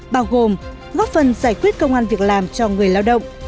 bao gồm góp phần giải quyết công an việc làm cho người lao động